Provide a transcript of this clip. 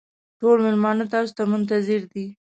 ټول مېلمانه تاسو ته منتظر دي.